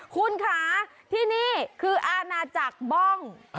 คุณค่ะที่นี่คืออาณาจักรบ้อง